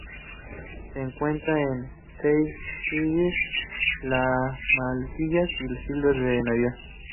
Se encuentra en las Seychelles, las Maldivas y la Isla de Navidad.